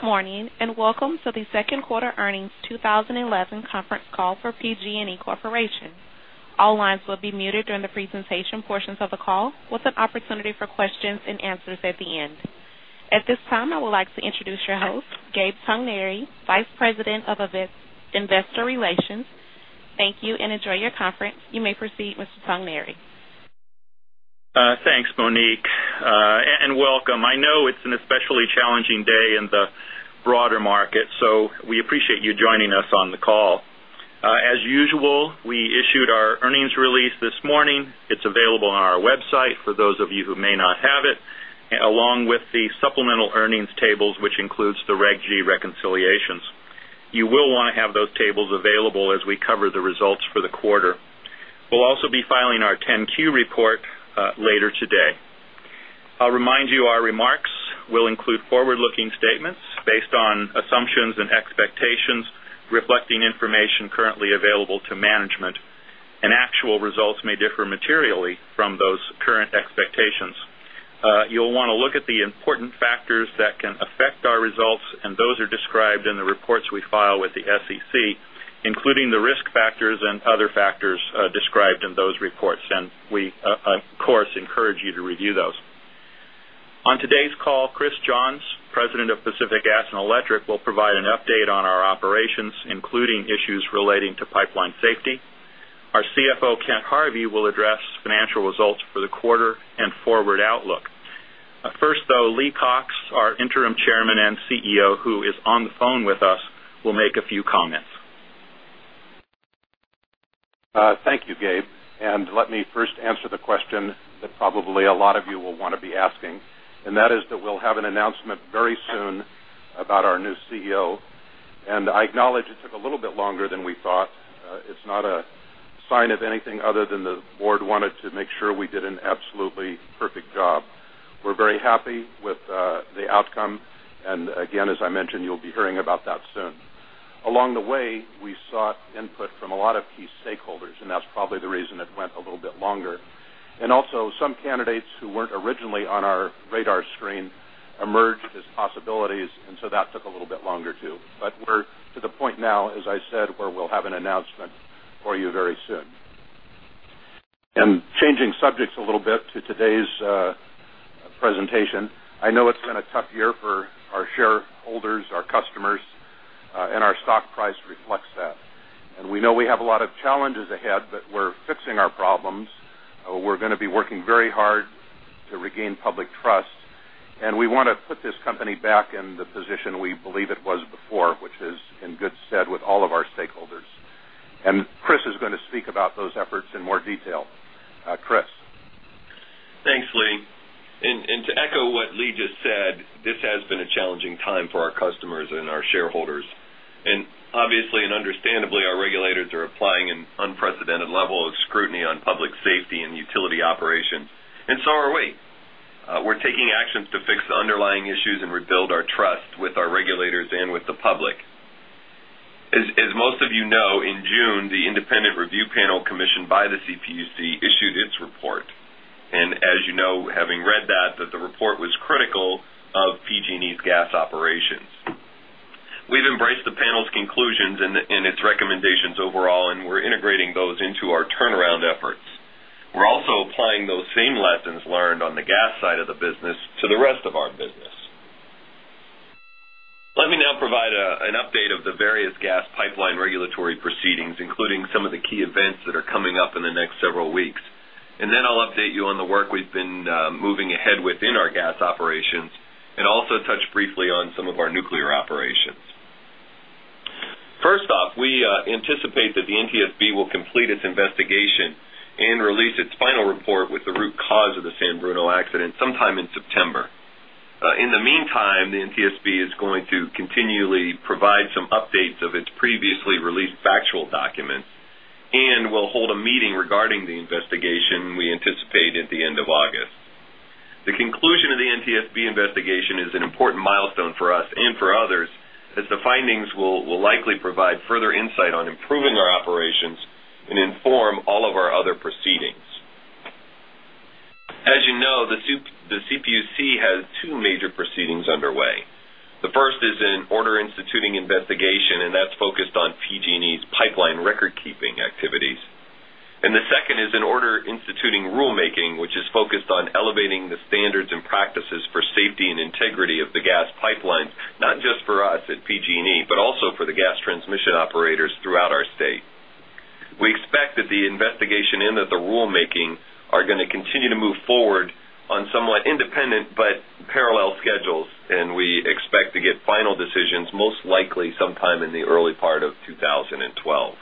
Good morning and welcome to the Second Quarter Earnings 2011 Conference Call for PG&E Corporation. All lines will be muted during the presentation portions of the call, with an opportunity for questions and answers at the end. At this time, I would like to introduce your host, Gabe Togneri, Vice President of Investor Relations. Thank you and enjoy your conference. You may proceed, Mr. Togneri. Thanks, Monique, and welcome. I know it's an especially challenging day in the broader market, so we appreciate you joining us on the call. As usual, we issued our earnings release this morning. It's available on our website for those of you who may not have it, along with the supplemental earnings tables, which include the Reg G reconciliations. You will want to have those tables available as we cover the results for the quarter. We'll also be filing our 10-Q report later today. I'll remind you our remarks will include forward-looking statements based on assumptions and expectations, reflecting information currently available to management, and actual results may differ materially from those current expectations. You will want to look at the important factors that can affect our results, and those are described in the reports we file with the SEC, including the risk factors and other factors described in those reports. We, of course, encourage you to review those. On today's call, Chris Johns, President of Pacific Gas and Electric Company, will provide an update on our operations, including issues relating to pipeline safety. Our CFO, Kent Harvey, will address financial results for the quarter and forward outlook. First, though, Lee Cox, our Interim Chairman and CEO, who is on the phone with us, will make a few comments. Thank you, Gabe. Let me first answer the question that probably a lot of you will want to be asking, and that is that we'll have an announcement very soon about our new CEO. I acknowledge it took a little bit longer than we thought. It is not a sign of anything other than the Board wanted to make sure we did an absolutely perfect job. We're very happy with the outcome. As I mentioned, you'll be hearing about that soon. Along the way, we sought input from a lot of key stakeholders, and that is probably the reason it went a little bit longer. Also, some candidates who were not originally on our radar screen emerged as possibilities, and that took a little bit longer too. We are to the point now, as I said, where we'll have an announcement for you very soon. Changing subjects a little bit to today's presentation, I know it's been a tough year for our shareholders, our customers, and our stock price reflects that. We know we have a lot of challenges ahead, but we're fixing our problems. We're going to be working very hard to regain public trust, and we want to put this company back in the position we believe it was before, which is in good stead with all of our stakeholders. Chris is going to speak about those efforts in more detail. Chris. Thanks, Lee. To echo what Lee just said, this has been a challenging time for our customers and our shareholders. Obviously and understandably, our regulators are applying an unprecedented level of scrutiny on public safety and utility operations. We are taking actions to fix the underlying issues and rebuild our trust with our regulators and with the public. As most of you know, in June, the Independent Review Panel commissioned by the CPUC issued its report. As you know, having read that, the report was critical of PG&E's gas operations. We have embraced the panel's conclusions and its recommendations overall, and we are integrating those into our turnaround efforts. We are also applying those same lessons learned on the gas side of the business to the rest of our business. Let me now provide an update of the various gas pipeline regulatory proceedings, including some of the key events that are coming up in the next several weeks. I will update you on the work we have been moving ahead within our gas operations and also touch briefly on some of our nuclear operations. First off, we anticipate that the NTSB will complete its investigation and release its final report with the root cause of the San Bruno accident sometime in September. In the meantime, the NTSB is going to continually provide some updates of its previously released factual document and will hold a meeting regarding the investigation we anticipate at the end of August. The conclusion of the NTSB investigation is an important milestone for us and for others, as the findings will likely provide further insight on improving our operations and inform all of our other proceedings. As you know, the CPUC has two major proceedings underway. The first is an order instituting investigation, and that is focused on PG&E's pipeline record-keeping activities. The second is an order instituting rulemaking, which is focused on elevating the standards and practices for safety and integrity of the gas pipelines, not just for us at PG&E, but also for the gas transmission operators throughout our state. We expect that the investigation and that the rulemaking are going to continue to move forward on somewhat independent but parallel schedules, and we expect to get final decisions most likely sometime in the early part of 2012.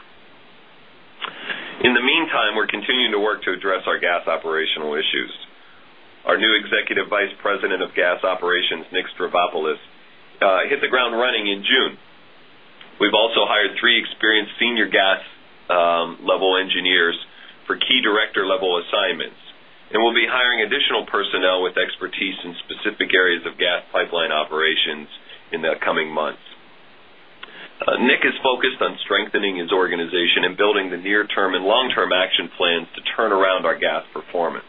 In the meantime, we are continuing to work to address our gas operational issues. Our new Executive Vice President of Gas Operations, Nick Stavropoulos, hit the ground running in June. We've also hired three experienced senior gas-level engineers for key director-level assignments, and we'll be hiring additional personnel with expertise in specific areas of gas pipeline operations in the coming months. Nick is focused on strengthening his organization and building the near-term and long-term action plans to turn around our gas performance.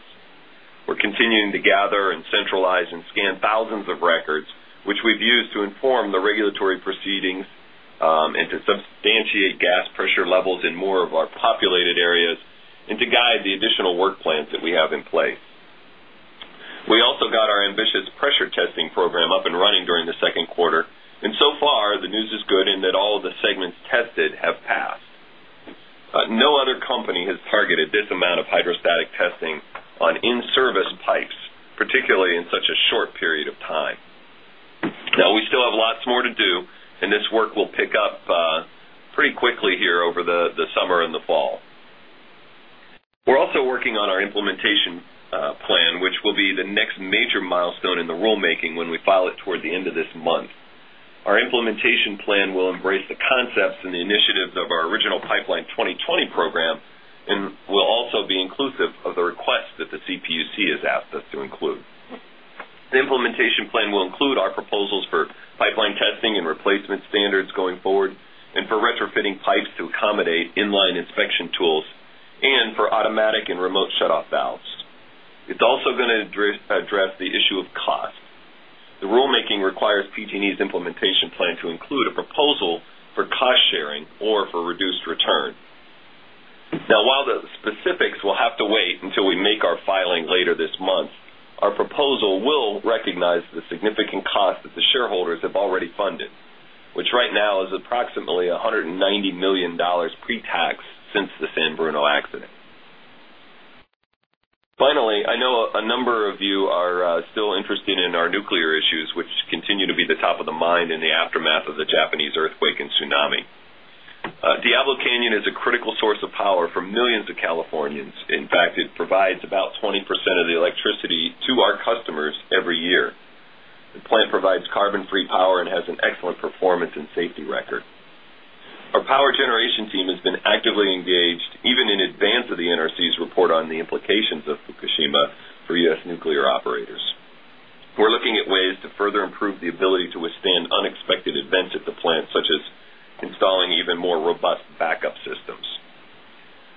We're continuing to gather, centralize, and scan thousands of records, which we've used to inform the regulatory proceedings and to substantiate gas pressure levels in more of our populated areas and to guide the additional work plans that we have in place. We also got our ambitious pressure testing program up and running during the second quarter. So far, the news is good in that all of the segments tested have passed. No other company has targeted this amount of hydrostatic testing on in-service pipes, particularly in such a short period of time. We still have lots more to do, and this work will pick up pretty quickly here over the summer and the fall. We're also working on our implementation plan, which will be the next major milestone in the rulemaking when we file it toward the end of this month. Our implementation plan will embrace the concepts and the initiatives of our original Pipeline 2020 program and will also be inclusive of the requests that the CPUC has asked us to include. The implementation plan will include our proposals for pipeline testing and replacement standards going forward and for retrofitting pipes to accommodate inline inspection tools and for automatic and remote shut-off valves. It's also going to address the issue of cost. The rulemaking requires PG&E's implementation plan to include a proposal for cost sharing or for reduced return. While the specifics will have to wait until we make our filing later this month, our proposal will recognize the significant cost that the shareholders have already funded, which right now is approximately $190 million pre-tax since the San Bruno accident. Finally, I know a number of you are still interested in our nuclear issues, which continue to be the top of the mind in the aftermath of the Japanese earthquake and tsunami. Diablo Canyon is a critical source of power for millions of Californians. In fact, it provides about 20% of the electricity to our customers every year. The plant provides carbon-free power and has an excellent performance and safety record. Our power generation team has been actively engaged even in advance of the NRC's report on the implications of Fukushima for U.S. nuclear operators. We're looking at ways to further improve the ability to withstand unexpected events at the plant, such as installing even more robust backup systems.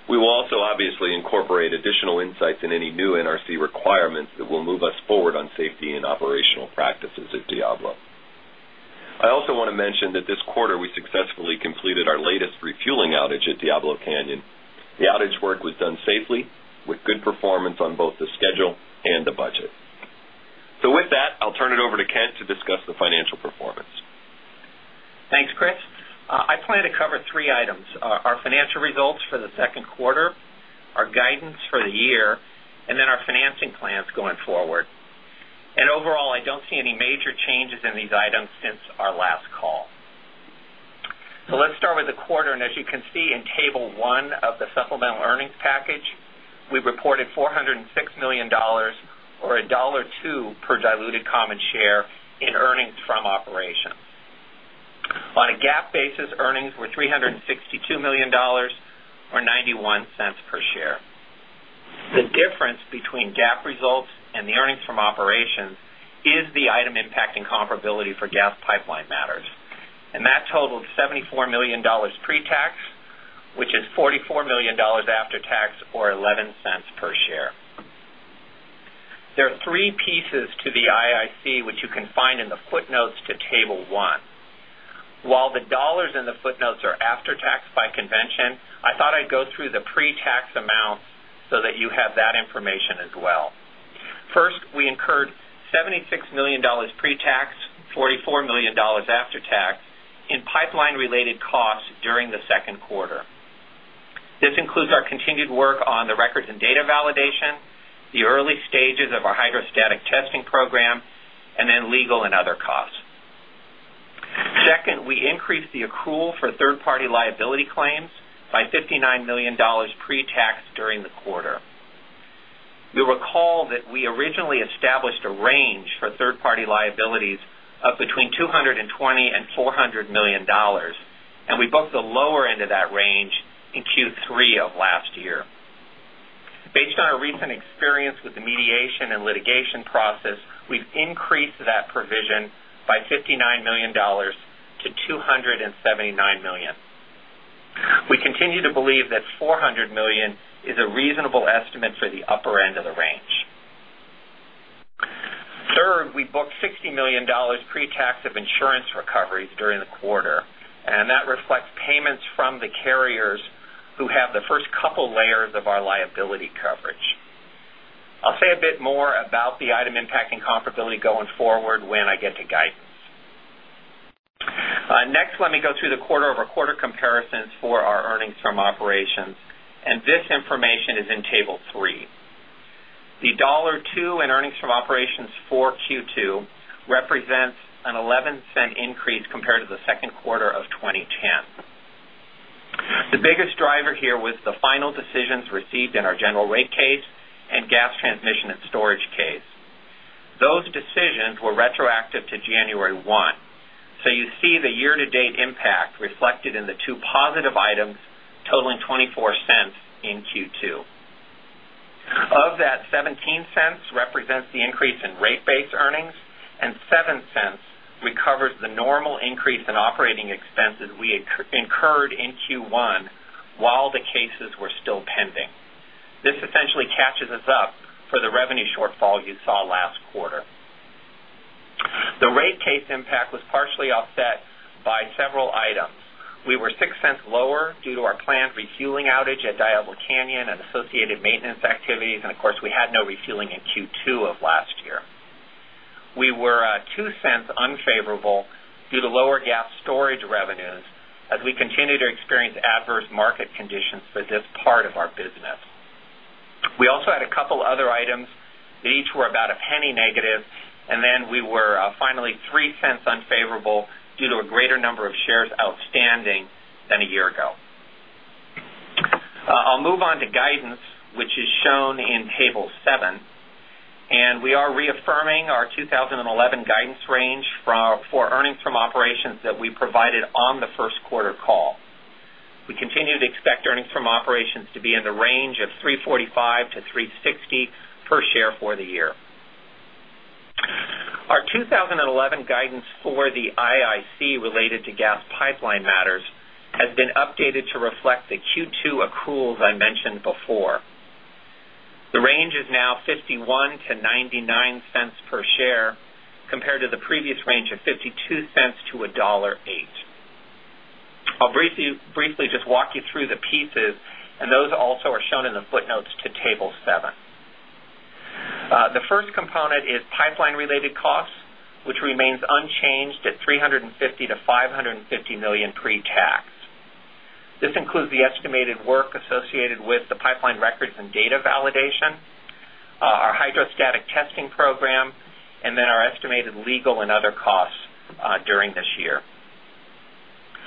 We will also obviously incorporate additional insights in any new NRC requirements that will move us forward on safety and operational practices at Diablo Canyon. I also want to mention that this quarter we successfully completed our latest refueling outage at Diablo Canyon. The outage work was done safely with good performance on both the schedule and the budget. With that, I'll turn it over to Kent to discuss the financial performance. Thanks, Chris. I plan to cover three items: our financial results for the second quarter, our guidance for the year, and our financing plans going forward. Overall, I do not see any major changes in these items since our last call. Let's start with the quarter. As you can see in Table 1 of the supplemental earnings package, we reported $406 million, or $1.02 per diluted common share in earnings from operations. On a GAAP basis, earnings were $362 million, or $0.91 per share. The difference between GAAP results and the earnings from operations is the item impacting comparability for gas pipeline matters. That totaled $74 million pre-tax, which is $44 million after-tax, or $0.11 per share. There are three pieces to the item impacting comparability, which you can find in the footnotes to Table 1. While the dollars in the footnotes are after-tax by convention, I thought I would go through the pre-tax amounts so that you have that information as well. First, we incurred $76 million pre-tax, $44 million after-tax in pipeline-related costs during the second quarter. This includes our continued work on the records and data validation, the early stages of our hydrostatic testing program, and legal and other costs. Second, we increased the accrual for third-party liability claims by $59 million pre-tax during the quarter. You will recall that we originally established a range for third-party liabilities of between $220 million and $400 million, and we booked the lower end of that range in Q3 of last year. Based on our recent experience with the mediation and litigation process, we have increased that provision by $59 million to $279 million. We continue to believe that $400 million is a reasonable estimate for the upper end of the range. Third, we booked $60 million pre-tax of insurance recoveries during the quarter, and that reflects payments from the carriers who have the first couple of layers of our liability coverage. I will say a bit more about the item impacting comparability going forward when I get to GAAP. Next, let me go through the quarter-over-quarter comparisons for our earnings from operations, and this information is in Table 3. The $1.02 in earnings from operations for Q2 represents an $0.11 increase compared to the second quarter of 2010. The biggest driver here was the final decisions received in our general rate case and gas transmission and storage case. Those decisions were retroactive to January 1. You see the year-to-date impact reflected in the two positive items totaling $0.24 in Q2. Of that, $0.17 represents the increase in rate-based earnings, and $0.07 covers the normal increase in operating expenses we incurred in Q1 while the cases were still pending. This essentially catches us up for the revenue shortfall you saw last quarter. The rate case impact was partially offset by several items. We were $0.06 lower due to our planned refueling outage at Diablo Canyon and associated maintenance activities. Of course, we had no refueling in Q2 of last year. We were $0.02 unfavorable due to lower gas storage revenues as we continue to experience adverse market conditions for this part of our business. We also had a couple of other items that each were about $0.01 negative, and we were finally $0.03 unfavorable due to a greater number of shares outstanding than a year ago. I'll move on to guidance, which is shown in Table 7. We are reaffirming our 2011 guidance range for earnings from operations that we provided on the first quarter call. We continue to expect earnings from operations to be in the range of $3.45-$3.60 per share for the year. Our 2011 guidance for the IIC related to gas pipeline matters has been updated to reflect the Q2 accruals I mentioned before. The range is now $0.51-$0.99 per share compared to the previous range of $0.52-$1.08. I'll briefly just walk you through the pieces, and those also are shown in the footnotes to Table 7. The first component is pipeline-related costs, which remains unchanged at $350 million-$550 million pre-tax. This includes the estimated work associated with the pipeline records and data validation, our hydrostatic testing program, and then our estimated legal and other costs during this year.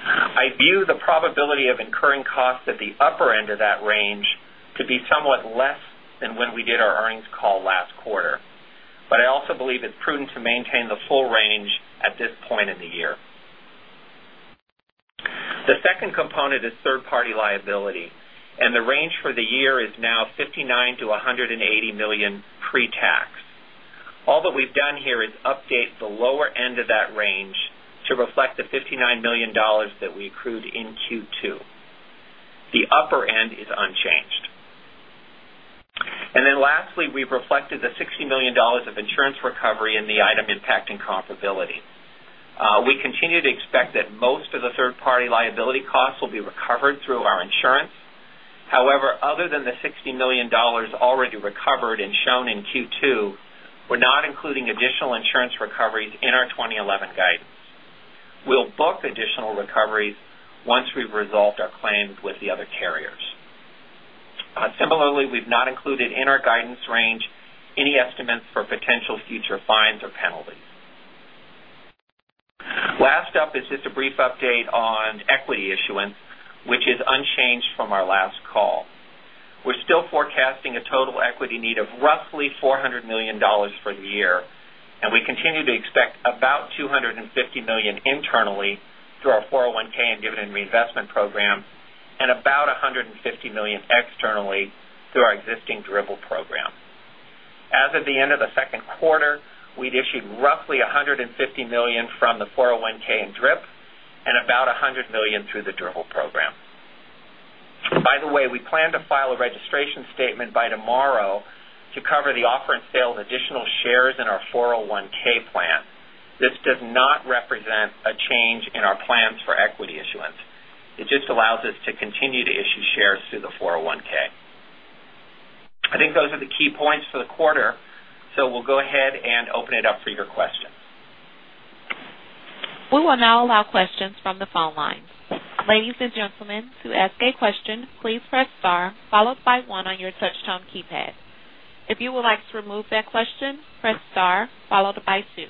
I view the probability of incurring costs at the upper end of that range to be somewhat less than when we did our earnings call last quarter, but I also believe it's prudent to maintain the full range at this point in the year. The second component is third-party liability, and the range for the year is now $59 million-$180 million pre-tax. All that we've done here is update the lower end of that range to reflect the $59 million that we accrued in Q2. The upper end is unchanged. Lastly, we've reflected the $60 million of insurance recovery in the item impacting comparability. We continue to expect that most of the third-party liability costs will be recovered through our insurance. However, other than the $60 million already recovered and shown in Q2, we're not including additional insurance recoveries in our 2011 guidance. We'll book additional recoveries once we've resolved our claim with the other carriers. Similarly, we've not included in our guidance range any estimates for potential future fines or penalties. Last up is just a brief update on equity issuance, which is unchanged from our last call. We're still forecasting a total equity need of roughly $400 million for the year, and we continue to expect about $250 million internally through our 401(k) and dividend reinvestment program and about $150 million externally through our existing DRIP program. As of the end of the second quarter, we'd issued roughly $150 million from the 401(k) and DRIP and about $100 million through the DRIP program. By the way, we plan to file a registration statement by tomorrow to cover the offer and sale of additional shares in our 401(k) plan. This does not represent a change in our plans for equity issuance. It just allows us to continue to issue shares through the 401(k). I think those are the key points for the quarter, so we'll go ahead and open it up for your questions. We will now allow questions from the phone line. Ladies and gentlemen, to ask a question, please press star followed by one on your touch-tone keypad. If you would like to remove that question, press star followed by two.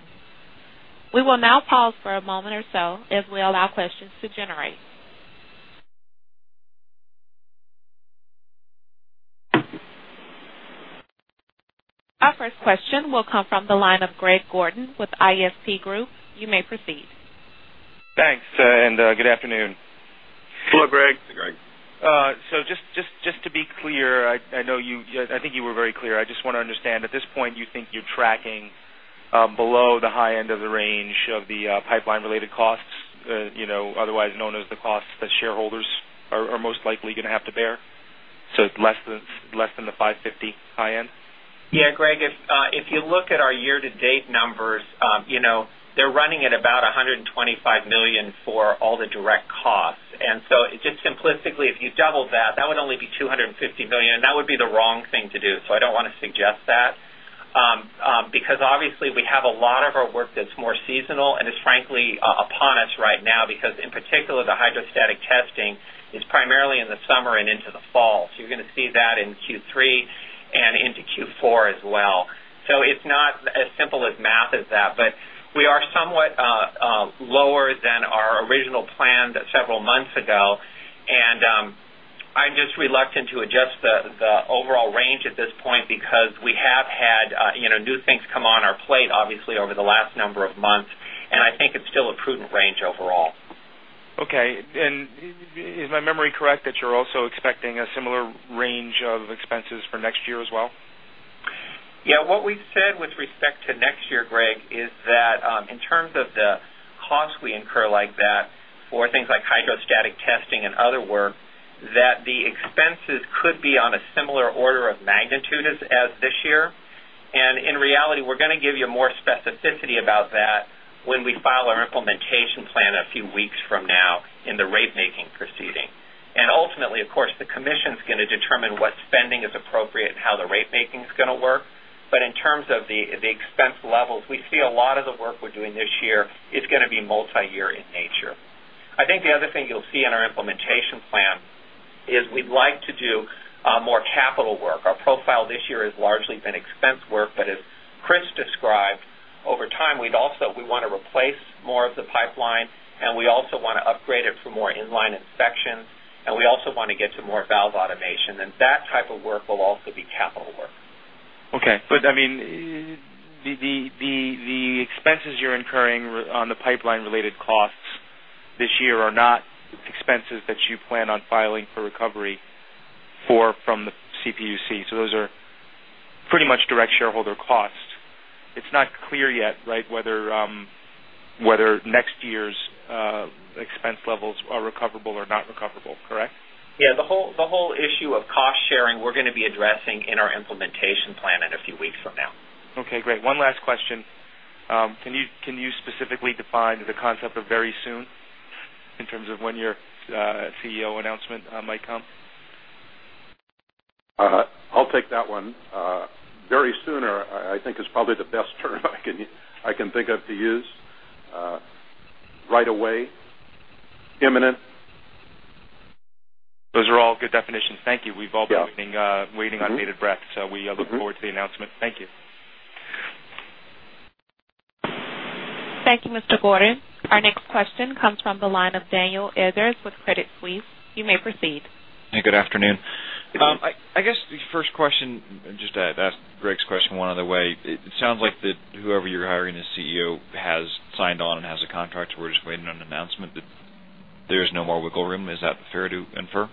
We will now pause for a moment as we allow questions to generate. Our first question will come from the line of Greg Gordon with ISP Group. You may proceed. Thanks, and good afternoon. Hello, Greg. Just to be clear, I know you were very clear. I just want to understand, at this point, you think you're tracking below the high end of the range of the pipeline-related costs, you know otherwise known as the costs that shareholders are most likely going to have to bear? Less than the $550 high end? Yeah, Greg, if you look at our year-to-date numbers, you know they're running at about $125 million for all the direct costs. If you doubled that, that would only be $250 million, and that would be the wrong thing to do. I don't want to suggest that because obviously we have a lot of our work that's more seasonal and is frankly upon us right now because, in particular, the hydrostatic testing is primarily in the summer and into the fall. You're going to see that in Q3 and into Q4 as well. It's not as simple as math as that, but we are somewhat lower than our original plan several months ago. I'm just reluctant to adjust the overall range at this point because we have had new things come on our plate, obviously, over the last number of months, and I think it's still a prudent range overall. Is my memory correct that you're also expecting a similar range of expenses for next year as well? Yeah. What we said with respect to next year, Greg, is that in terms of the cost we incur like that for things like hydrostatic testing and other work, the expenses could be on a similar order of magnitude as this year. In reality, we're going to give you more specificity about that when we file our implementation plan a few weeks from now in the rate-making proceeding. Ultimately, of course, the commission is going to determine what spending is appropriate and how the rate-making is going to work. In terms of the expense levels, we see a lot of the work we're doing this year is going to be multi-year in nature. I think the other thing you'll see in our implementation plan is we'd like to do more capital work. Our profile this year has largely been expense work. As Prince described, over time, we also want to replace more of the pipeline, and we also want to upgrade it for more inline inspections, and we also want to get to more valve automation. That type of work will also be capital work. The expenses you're incurring on the pipeline-related costs this year are not expenses that you plan on filing for recovery from the CPUC. Those are pretty much direct shareholder costs. It's not clear yet, right, whether next year's expense levels are recoverable or not recoverable, correct? Yeah, the whole issue of cost sharing we're going to be addressing in our implementation plan in a few weeks from now. Okay, great. One last question. Can you specifically define the concept of very soon in terms of when your CEO announcement might come? I'll take that one. Very soon, I think, is probably the best term I can think of to use. Right away, imminent. Those are all good definitions. Thank you. We've all been waiting on bated breath, so we look forward to the announcement. Thank you. Thank you, Mr. Gordon. Our next question comes from the line of Daniel Eggers with Credit Suisse. You may proceed. Hey, good afternoon. I guess the first question, just to ask Greg's question one other way, it sounds like that whoever you're hiring as CEO has signed on and has a contract. We're just waiting on an announcement that there's no more wiggle room. Is that fair to infer?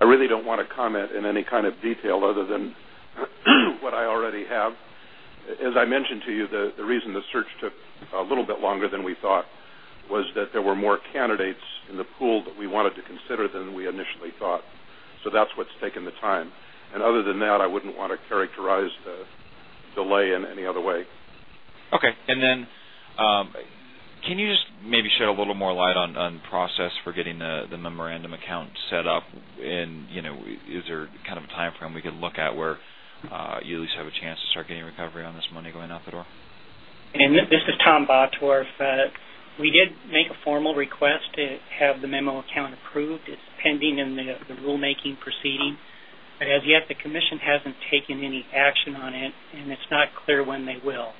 I really don't want to comment in any kind of detail other than what I already have. As I mentioned to you, the reason the search took a little bit longer than we thought was that there were more candidates in the pool that we wanted to consider than we initially thought. That's what's taken the time. Other than that, I wouldn't want to characterize the delay in any other way. Okay. Can you just maybe shed a little more light on the process for getting the memorandum account set up? Is there kind of a timeframe we could look at where you at least have a chance to start getting recovery on this money going out the door? This is Tom Bottorff. We did make a formal request to have the memo account approved. It is pending in the rulemaking proceeding. As yet, the commission has not taken any action on it, and it is not clear when they will.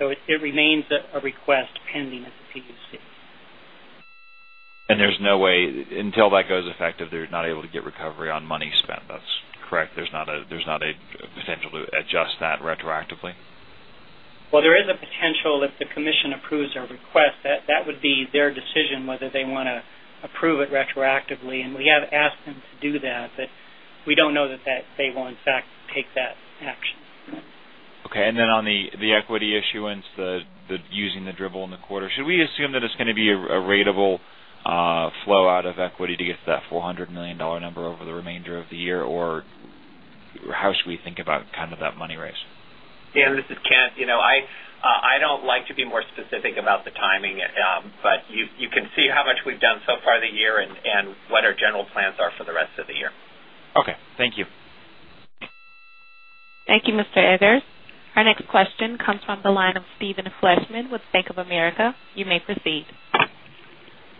It remains a request pending at the CPUC. There is no way until that goes effective, they're not able to get recovery on money spent. That's correct? There's not a potential to adjust that retroactively? There is a potential if the commission approves our request. That would be their decision whether they want to approve it retroactively. We have asked them to do that, but we don't know that they will, in fact, take that action. Okay. On the equity issuance, using the Dribbble in the quarter, should we assume that it's going to be a ratable flow out of equity to get to that $400 million number over the remainder of the year, or how should we think about that money raise? Yeah. This is Kent. I don't like to be more specific about the timing, but you can see how much we've done so far this year and what our general plans are for the rest of the year. Okay, thank you. Thank you, Mr. Eggers. Our next question comes from the line of Steven Fleishman with Bank of America. You may proceed.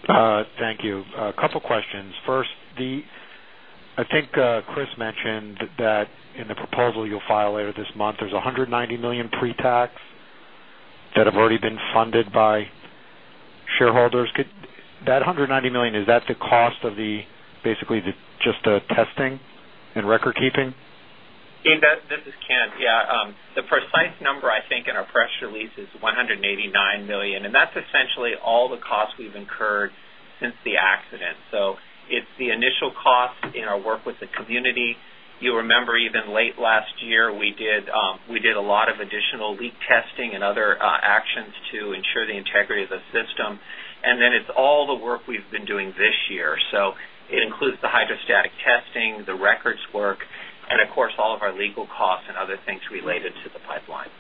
Thank you. A couple of questions. First, I think Chris mentioned that in the proposal you'll file later this month, there's $190 million pre-tax that have already been funded by shareholders. That $190 million, is that the cost of basically just the testing and record keeping? This is Kent. Yeah. The precise number, I think, in our press release is $189 million. That's essentially all the costs we've incurred since the accident. It's the initial cost in our work with the community. You remember even late last year, we did a lot of additional leak testing and other actions to ensure the integrity of the system. It's all the work we've been doing this year. It includes the hydrostatic testing, the records work, and of course, all of our legal costs and other things related to the pipeline.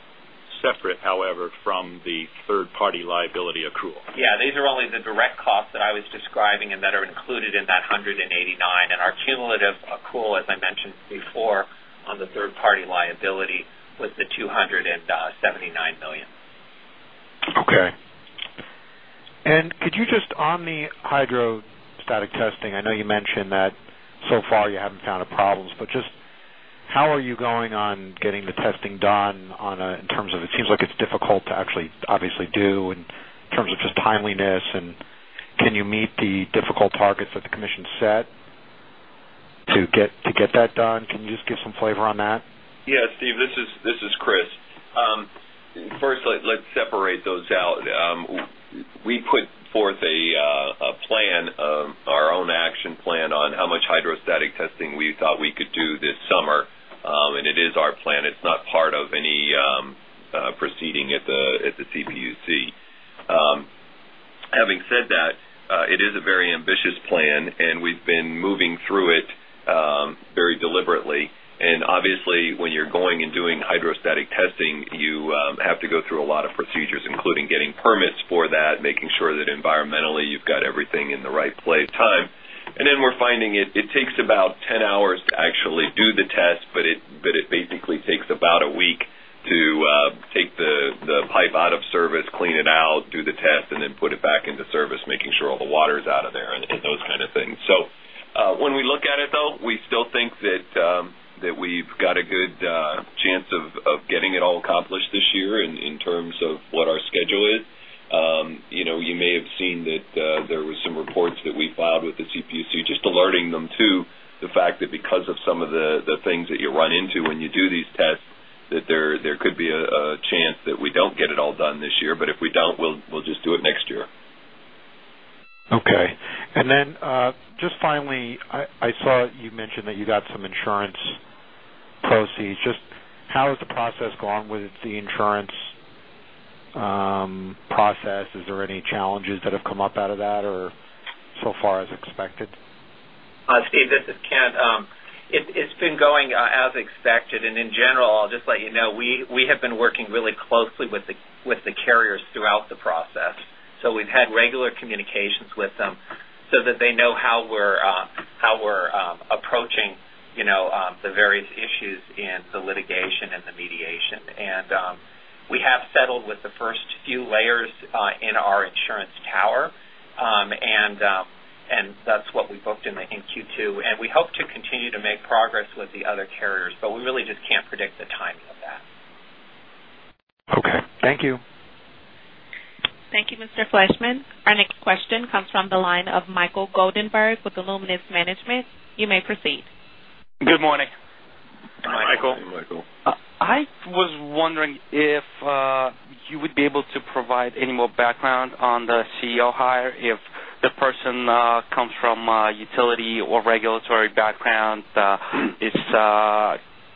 Separate, however, from the third-party liability accrual. Yeah. These are only the direct costs that I was describing, and that are included in that $189 million. Our cumulative accrual, as I mentioned before, on the third-party liability was the $279 million. Okay. Could you just on the hydrostatic testing, I know you mentioned that so far you haven't found a problem, but just how are you going on getting the testing done in terms of it seems like it's difficult to actually obviously do in terms of just timeliness, and can you meet the difficult targets that the commission set to get that done? Can you just give some flavor on that? Yeah, Steve, this is Chris. First, let's separate those out. We put forth a plan, our own action plan on how much hydrostatic testing we thought we could do this summer. It is our plan. It's not part of any proceeding at the CPUC. Having said that, it is a very ambitious plan, and we've been moving through it very deliberately. Obviously, when you're going and doing hydrostatic testing, you have to go through a lot of procedures, including getting permits for that, making sure that environmentally you've got everything in the right play time. We're finding it takes about 10 hours to actually do the test, but it basically takes about a week to take the pipe out of service, clean it out, do the test, and then put it back into service, making sure all the water is out of there, and those kind of things. When we look at it, though, we still think that we've got a good chance of getting it all accomplished this year in terms of what our schedule is. You may have seen that there were some reports that we filed with the CPUC just alerting them to the fact that because of some of the things that you run into when you do these tests, there could be a chance that we don't get it all done this year. If we don't, we'll just do it next year. Okay. Finally, I saw you mention that you got some insurance. Let's see. Just how has the process gone with the insurance process? Is there any challenges that have come up out of that or so far as expected? Steve, this is Kent. It's been going as expected. In general, I'll just let you know we have been working really closely with the carriers throughout the process. We have had regular communications with them so that they know how we're approaching the various issues in the litigation and the mediation. We have settled with the first few layers in our insurance tower, and that's what we booked in Q2. We hope to continue to make progress with the other carriers, but we really just can't predict the timing of that. All right, thank you. Thank you, Mr. Fleshman. Our next question comes from the line of Michael Goldenberg with Illuminous Management. You may proceed. Good morning. Good morning. Hey, Michael. Hey, Michael. I was wondering if you would be able to provide any more background on the CEO hire. If the person comes from a utility or regulatory background, is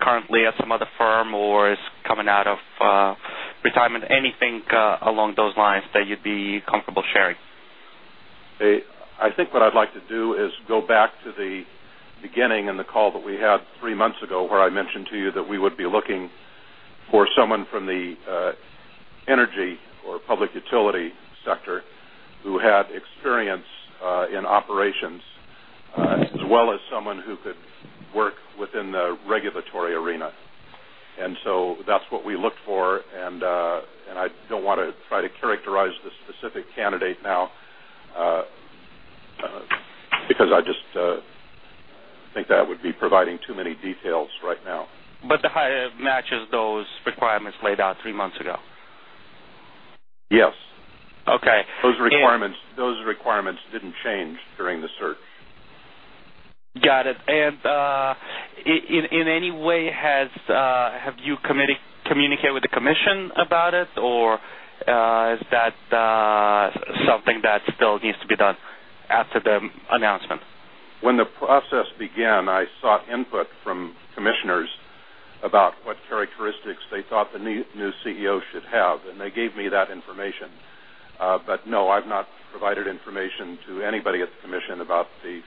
currently at some other firm or is coming out of retirement, anything along those lines that you'd be comfortable sharing? I think what I'd like to do is go back to the beginning in the call that we had three months ago where I mentioned to you that we would be looking for someone from the energy or public utility sector who had experience in operations as well as someone who could work within the regulatory arena. That is what we looked for. I don't want to try to characterize the specific candidate now because I just think that would be providing too many details right now. The hire matches those requirements laid out three months ago? Yes. Okay. Those requirements didn't change during the search. Got it. In any way, have you communicated with the commission about it, or is that something that still needs to be done after the announcement? When the process began, I sought input from Commissioners about what characteristics they thought the new CEO should have, and they gave me that information. No, I've not provided information to anybody at the Commission about the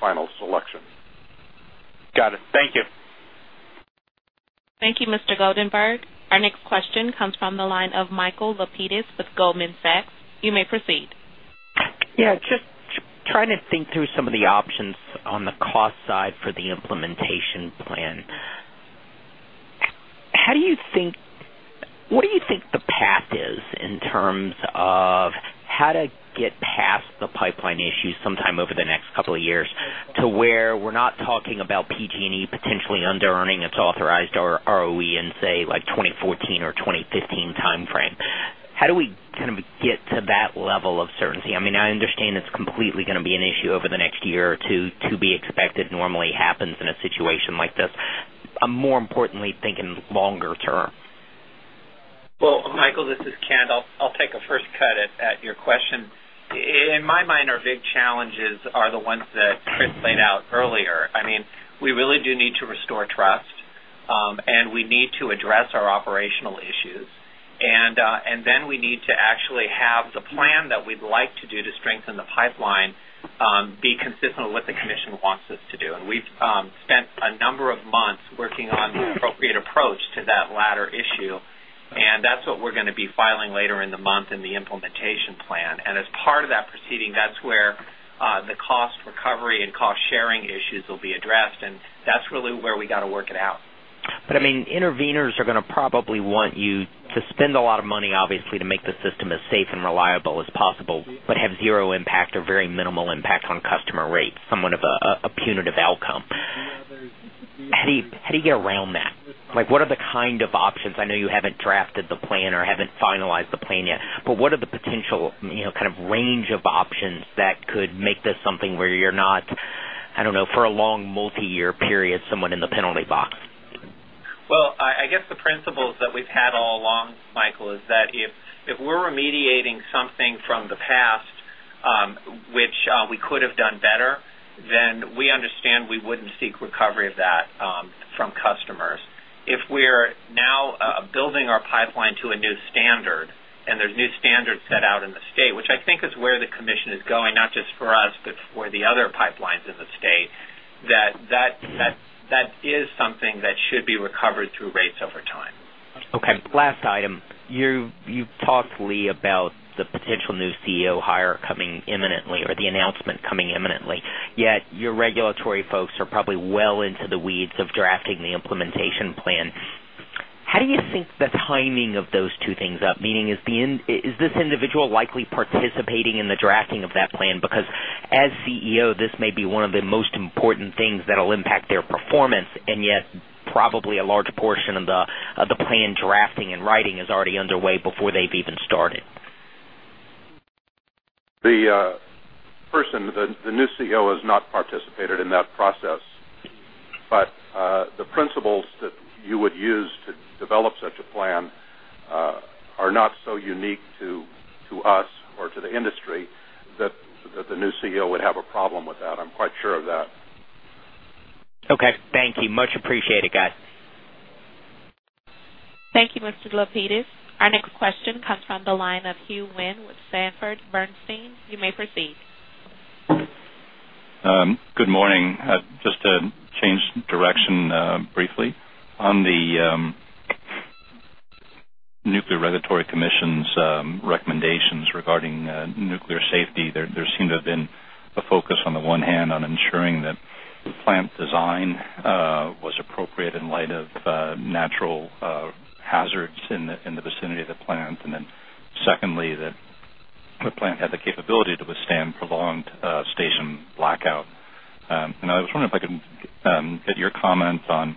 final selection. Got it. Thank you. Thank you, Mr. Goldenberg. Our next question comes from the line of Michael Lapides with Goldman Sachs. You may proceed. Yeah. Just trying to think through some of the options on the cost side for the implementation plan. How do you think, what do you think the path is in terms of how to get past the pipeline issues sometime over the next couple of years to where we're not talking about PG&E potentially under-earning its authorized ROE in, say, like 2014 or 2015 timeframe? How do we kind of get to that level of certainty? I mean, I understand it's completely going to be an issue over the next year or two, to be expected, normally happens in a situation like this. I'm more importantly thinking longer term. Michael, this is Kent. I'll take a first cut at your question. In my mind, our big challenges are the ones that Chris laid out earlier. We really do need to restore trust, and we need to address our operational issues. We need to actually have the plan that we'd like to do to strengthen the pipeline be consistent with what the commission wants us to do. We've spent a number of months working on the appropriate approach to that latter issue. That's what we're going to be filing later in the month in the implementation plan. As part of that proceeding, that's where the cost recovery and cost sharing issues will be addressed. That's really where we got to work it out. I mean, interveners are going to probably want you to spend a lot of money, obviously, to make the system as safe and reliable as possible, but have zero impact or very minimal impact on customer rates, somewhat of a punitive outcome. How do you get around that? What are the kind of options? I know you haven't drafted the plan or haven't finalized the plan yet, but what are the potential kind of range of options that could make this something where you're not, I don't know, for a long multi-year period, somewhat in the penalty box? The principles that we've had all along, Michael, are that if we're remediating something from the past, which we could have done better, then we understand we wouldn't seek recovery of that from customers. If we're now building our pipeline to a new standard and there's new standards set out in the state, which I think is where the commission is going, not just for us, but for the other pipelines in the state, that is something that should be recovered through rates over time. Okay. Last item. You talked, Lee, about the potential new CEO hire coming imminently or the announcement coming imminently. Yet your regulatory folks are probably well into the weeds of drafting the implementation plan. How do you think the timing of those two things up? Meaning, is this individual likely participating in the drafting of that plan? Because as CEO, this may be one of the most important things that will impact their performance, and yet probably a large portion of the plan drafting and writing is already underway before they've even started. The person, the new CEO, has not participated in that process. The principles that you would use to develop such a plan are not so unique to us or to the industry that the new CEO would have a problem with that. I'm quite sure of that. Okay. Thank you. Much appreciated, guys. Thank you, Mr. Lapides. Our next question comes from the line of Hugh Wyne with Sanford Bernstein. You may proceed. Good morning. Just to change direction briefly, on the Nuclear Regulatory Commission's recommendations regarding nuclear safety, there seemed to have been a focus on the one hand on ensuring that the plant design was appropriate in light of natural hazards in the vicinity of the plant. Secondly, that the plant had the capability to withstand prolonged station blackout. I was wondering if I could get your comments on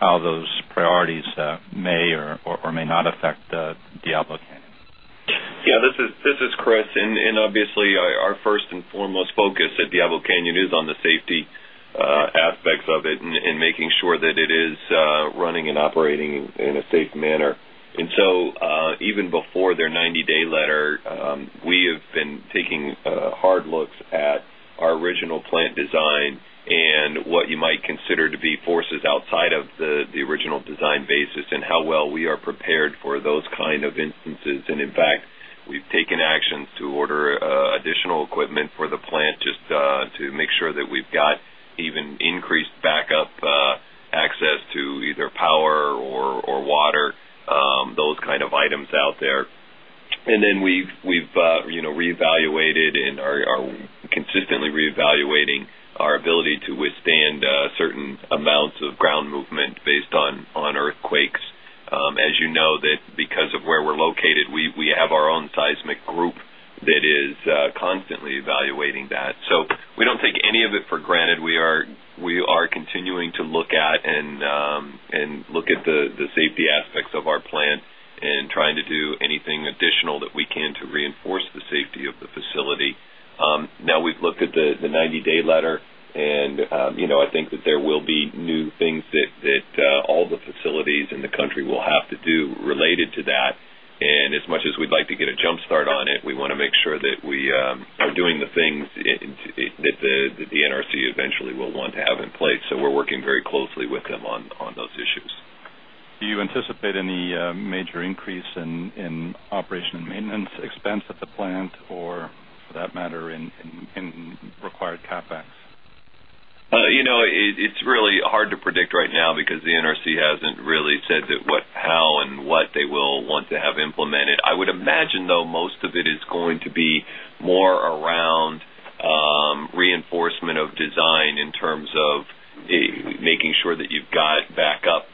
how those priorities may or may not affect Diablo Canyon. Yeah. This is Chris. Obviously, our first and foremost focus at Diablo Canyon is on the safety aspects of it and making sure that it is running and operating in a safe manner. Even before their 90-day letter, we have been taking hard looks at our original plant design and what you might consider to be forces outside of the original design basis and how well we are prepared for those kind of instances. In fact, we've taken actions to order additional equipment for the plant just to make sure that we've got even increased backup access to either power or water, those kind of items out there. We've reevaluated and are consistently reevaluating our ability to withstand certain amounts of ground movement based on earthquakes. As you know, because of where we're located, we have our own seismic group that is constantly evaluating that. We don't take any of it for granted. We are continuing to look at and look at the safety aspects of our plant and trying to do anything additional that we can to reinforce the safety of the facility. We've looked at the 90-day letter, and I think that there will be new things that all the facilities in the country will have to do related to that. As much as we'd like to get a jumpstart on it, we want to make sure that we are doing the things that the NRC eventually will want to have in place. We are working very closely with them on those issues. Do you anticipate any major increase in operation and maintenance expense at the plant or, for that matter, in required CapEx? It's really hard to predict right now because the NRC hasn't really said what, how, and what they will want to have implemented. I would imagine, though, most of it is going to be more around reinforcement of design in terms of making sure that you've got backup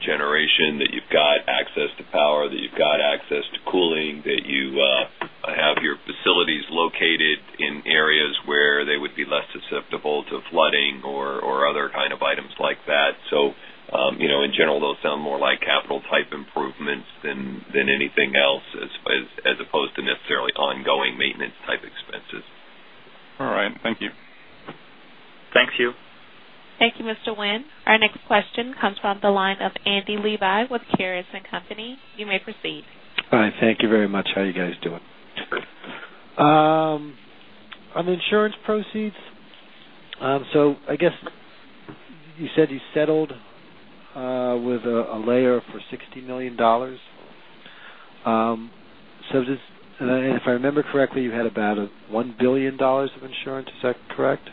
generation, that you've got access to power, that you've got access to cooling, that you have your facilities located in areas where they would be less susceptible to flooding or other kind of items like that. In general, those sound more like capital-type improvements than anything else as opposed to necessarily ongoing maintenance-type expenses. All right, thank you. Thank you. Thank you, Mr. Wynne. Our next question comes from the line of Andy Levi with Caris & Company. You may proceed. Hi. Thank you very much. How are you guys doing? On the insurance proceeds, I guess you said you settled with a layer for $60 million. If I remember correctly, you had about $1 billion of insurance. Is that correct?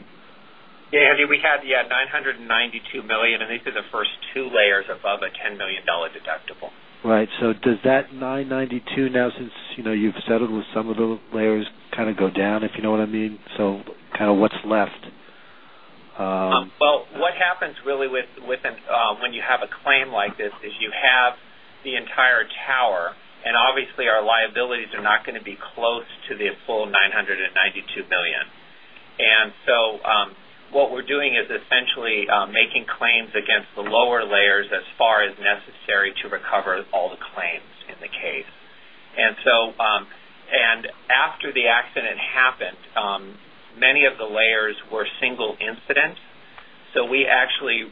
Yeah, we had $992 million. These are the first two layers above a $10 million deductible. Right. Does that $992 million now, since you know, you've settled with some of the layers, kind of go down, if you know what I mean? What's left? What happens really when you have a claim like this is you have the entire tower, and obviously, our liabilities are not going to be close to the full $992 million. What we're doing is essentially making claims against the lower layers as far as necessary to recover all the claims in the case. After the accident happened, many of the layers were single incidents. We actually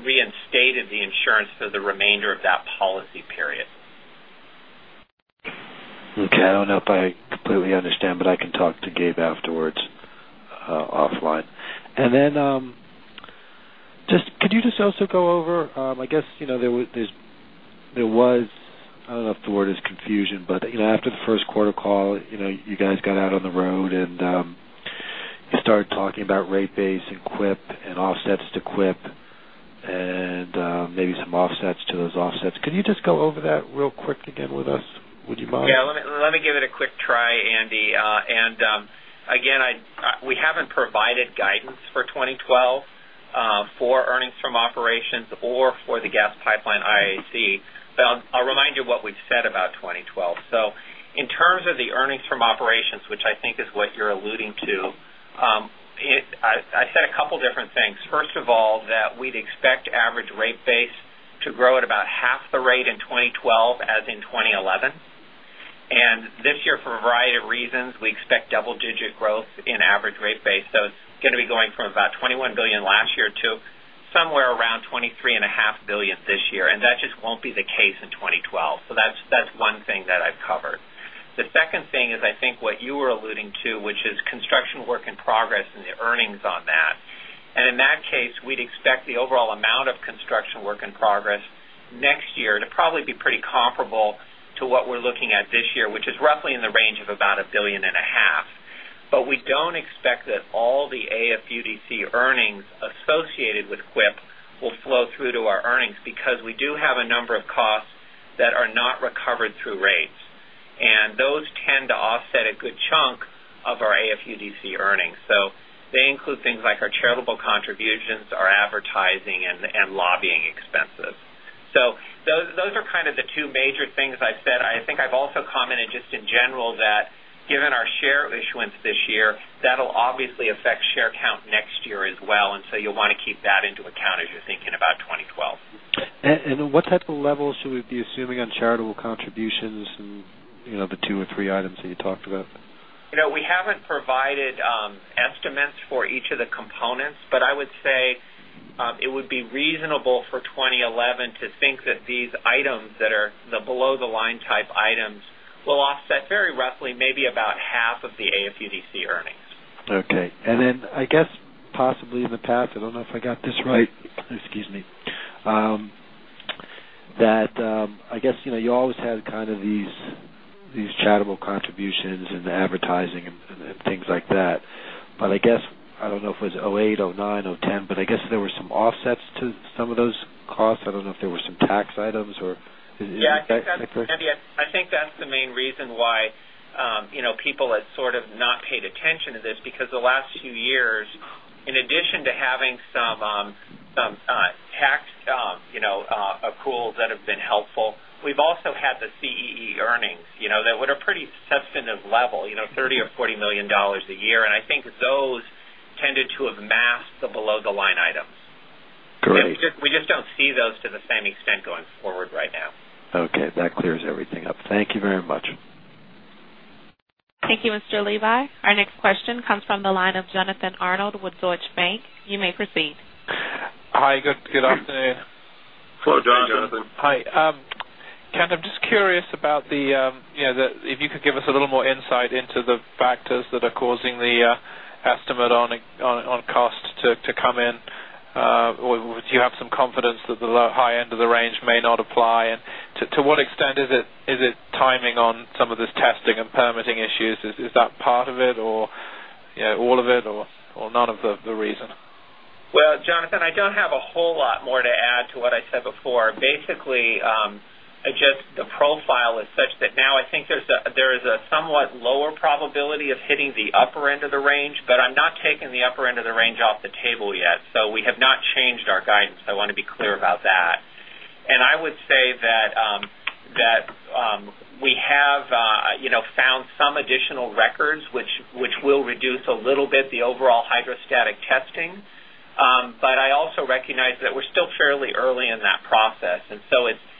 reinstated the insurance for the remainder of that policy period. Okay. I completely understand, but I can talk to Gabe afterwards offline. Could you just also go over, I guess, you know there was, I don't know if the word is confusion, but you know after the first quarter call, you guys got out on the road and you started talking about rate base and CWIP and offsets to CWIP and maybe some offsets to those offsets. Could you just go over that real quick again with us, would you mind? Yeah. Let me give it a quick try, Andy. Again, we haven't provided guidance for 2012 for earnings from operations or for the gas pipeline IAC. I'll remind you of what we've said about 2012. In terms of the earnings from operations, which I think is what you're alluding to, I said a couple of different things. First of all, that we'd expect average rate base to grow at about half the rate in 2012 as in 2011. This year, for a variety of reasons, we expect double-digit growth in average rate base. It's going to be going from about $21 billion last year to somewhere around $23.5 billion this year. That just won't be the case in 2012. That's one thing that I've covered. The second thing is, I think, what you were alluding to, which is construction work in progress and the earnings on that. In that case, we'd expect the overall amount of construction work in progress next year to probably be pretty comparable to what we're looking at this year, which is roughly in the range of about $1.5 billion. We don't expect that all the AFUDC earnings associated with CWIP will flow through to our earnings because we do have a number of costs that are not recovered through rates. Those tend to offset a good chunk of our AFUDC earnings. They include things like our charitable contributions, our advertising, and lobbying expenses. Those are kind of the two major things I've said. I think I've also commented just in general that given our share issuance this year, that'll obviously affect share count next year as well. You'll want to keep that into account as you're thinking about 2012. What type of level should we be assuming on charitable contributions and the two or three items that you talked about? We haven't provided estimates for each of the components, but I would say it would be reasonable for 2011 to think that these items that are the below-the-line type items will offset very roughly maybe about half of the AFUDC earnings. Okay. I guess possibly in the past, I don't know if I got this right. Excuse me. I guess you know, you always had kind of these charitable contributions and the advertising and things like that. I guess I don't know if it was 2008, 2009, 2010, but I guess there were some offsets to some of those costs. I don't know if there were some tax items or is that the case? I think that's the main reason why people have sort of not paid attention to this because the last few years, in addition to having some tax accruals that have been helpful, we've also had the CEE earnings that were at a pretty substantive level, $30 million or $40 million a year. I think those tended to have masked the below-the-line items. Correct. We just don't see those to the same extent going forward right now. Okay, that clears everything up. Thank you very much. Thank you, Mr. Levi. Our next question comes from the line of Jonathan Arnold with Deutsche Bank. You may proceed. Hi, good afternoon. Hello, Jonathan. Hi. Kent, I'm just curious about the, you know, if you could give us a little more insight into the factors that are causing the estimate on cost to come in. Do you have some confidence that the high end of the range may not apply? To what extent is it timing on some of this testing and permitting issues? Is that part of it or all of it or none of the reason? Jonathan, I don't have a whole lot more to add to what I said before. Basically, the profile is such that now I think there's a somewhat lower probability of hitting the upper end of the range, but I'm not taking the upper end of the range off the table yet. We have not changed our guidance. I want to be clear about that. I would say that we have found some additional records, which will reduce a little bit the overall hydrostatic testing. I also recognize that we're still fairly early in that process, and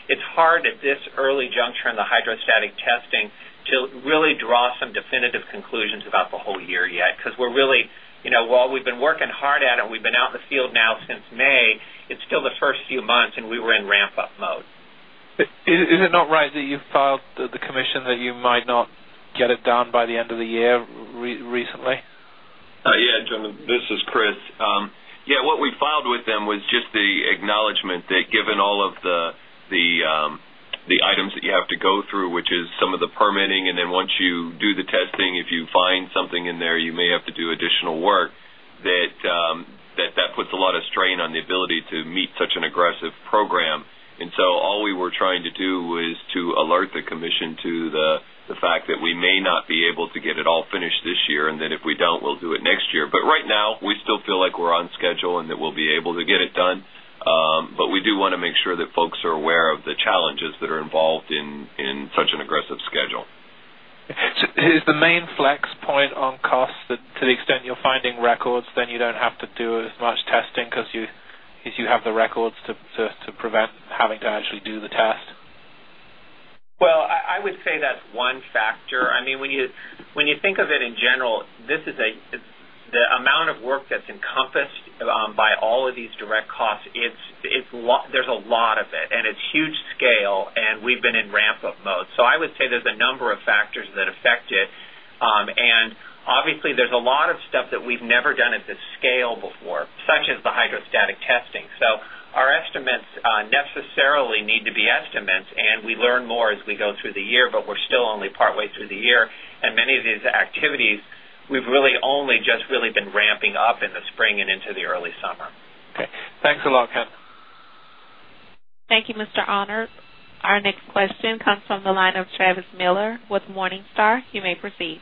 it's hard at this early juncture in the hydrostatic testing to really draw some definitive conclusions about the whole year yet because we're really, you know, while we've been working hard at it and we've been out in the field now since May, it's still the first few months and we were in ramp-up mode. Is it not right that you filed the Commission that you might not get it done by the end of the year recently? Yeah, this is Chris. What we filed with them was just the acknowledgment that given all of the items that you have to go through, which is some of the permitting, and then once you do the testing, if you find something in there, you may have to do additional work, that puts a lot of strain on the ability to meet such an aggressive program. All we were trying to do was to alert the commission to the fact that we may not be able to get it all finished this year, and if we don't, we'll do it next year. Right now, we still feel like we're on schedule and that we'll be able to get it done. We do want to make sure that folks are aware of the challenges that are involved in such an aggressive schedule. Is the main flex point on costs that to the extent you're finding records, you don't have to do as much testing because you have the records to prevent having to actually do the test? I would say that's one factor. I mean, when you think of it in general, this is the amount of work that's encompassed by all of these direct costs, it's a lot of it. It's huge scale, and we've been in ramp-up mode. I would say there's a number of factors that affect it. Obviously, there's a lot of stuff that we've never done at this scale before, such as the hydrostatic testing. Our estimates necessarily need to be estimates, and we learn more as we go through the year, but we're still only partway through the year. Many of these activities, we've really only just really been ramping up in the spring and into the early summer. Okay, thanks a lot, Kent. Thank you, Mr. Arnold. Our next question comes from the line of Travis Miller with Morningstar. You may proceed.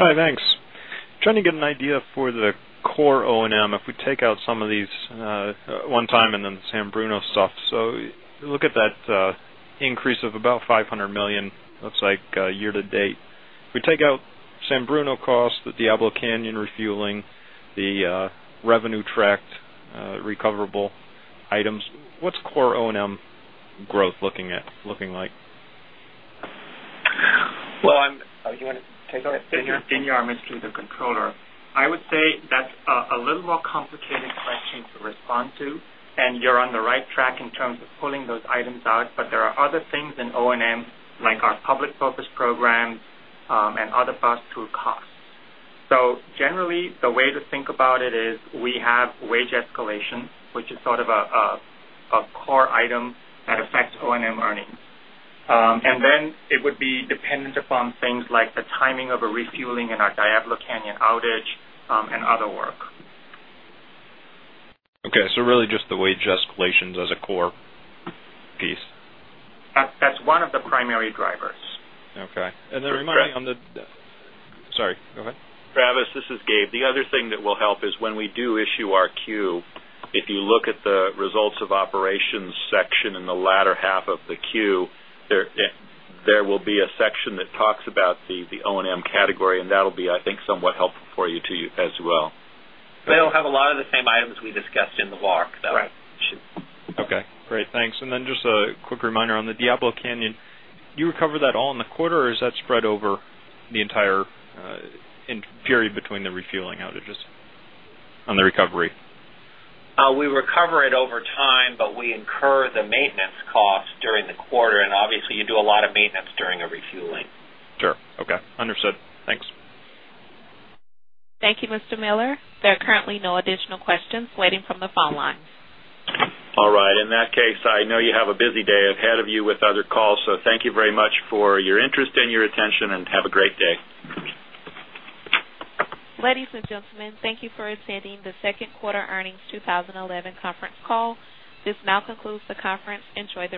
All right, thanks. Trying to get an idea for the core O&M if we take out some of these one time and then the San Bruno stuff. Look at that increase of about $500 million, looks like year to date. If we take out San Bruno costs, the Diablo Canyon refueling, the revenue tract recoverable items, what's core O&M growth looking like? You want to take it? You're almost through the controller. I would say that's a little more complicated question to respond to. You're on the right track in terms of pulling those items out, but there are other things in O&M like our public purpose programs and other bus tool costs. Generally, the way to think about it is we have wage escalation, which is sort of a core item that affects O&M earnings. It would be dependent upon things like the timing of a refueling in our Diablo Canyon outage and other work. Okay, just the wage escalations as a core piece? That's one of the primary drivers. Okay. Remind me on the, sorry, go ahead. Travis, this is Gabe. The other thing that will help is when we do issue our Q, if you look at the results of operations section in the latter half of the Q, there will be a section that talks about the O&M category, and that'll be, I think, somewhat helpful for you too as well. They'll have a lot of the same items we discussed in the box, hough. Okay. Great. Thanks. Just a quick reminder on the Diablo Canyon. Do you recover that all in the quarter, or is that spread over the entire period between the refueling outages on the recovery? We recover it over time, but we incur the maintenance costs during the quarter. You do a lot of maintenance during a refueling. Sure. Okay. Understood. Thanks. Thank you, Mr. Miller. There are currently no additional questions waiting from the phone lines. All right. In that case, I know you have a busy day ahead of you with other calls, so thank you very much for your interest and your attention, and have a great day. Ladies and gentlemen, thank you for attending the Second Qaarter 2011 Earnings Conference Call. This now concludes the conference. Enjoy the rest of your day.